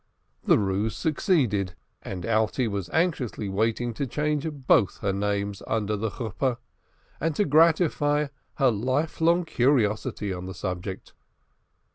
The ruse succeeded, and Alte was anxiously waiting to change both her names under the Chuppah, and to gratify her life long curiosity on the subject.